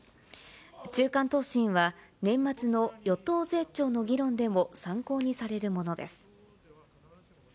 中間答申は、年末の与党税調の議論でも参考にされるものです。